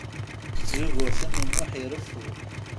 Yugurten U Muḥ ireffu.